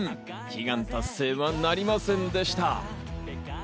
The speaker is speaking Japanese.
悲願達成はなりませんでした。